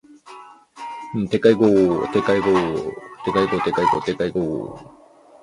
拟珍齿螯蛛为球蛛科齿螯蛛属的动物。